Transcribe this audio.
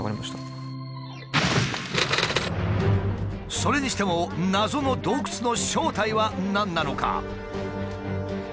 それにしても謎の洞窟の正体は何なのか？